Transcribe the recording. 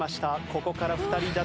ここから２人脱落。